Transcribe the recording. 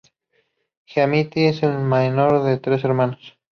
Giamatti es el menor de tres hermanos.